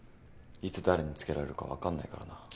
いつ誰につけられるか分かんないからな。